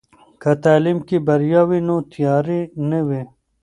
که تعلیم کې بریا وي، نو تیارې نه وي.